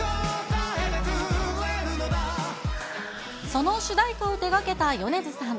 その主題歌を手がけた米津さん。